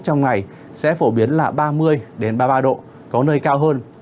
trong ngày sẽ phổ biến là ba mươi ba mươi ba độ có nơi cao hơn